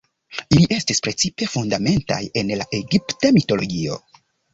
Ili estis precipe fundamentaj en la egipta mitologio.